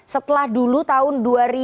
setelah dulu tahun dua ribu empat belas